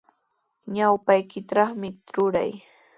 Ñawpaykitrawmi truray.